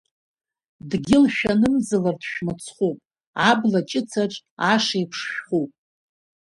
Дгьыл шәанымӡалартә шәмыцхәуп, абла ҷыцаҿ аш еиԥш шәхуп.